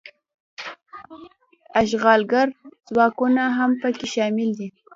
اشغالګر ځواکونه هم پکې شامل دي.